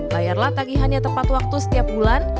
bayarlah tagihannya tepat waktu setiap bulan